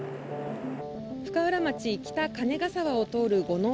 深浦町北金ヶ沢を通る五能